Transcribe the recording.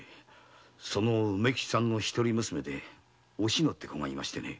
その梅吉さんの一人娘におしのちゃんて子がいましてね。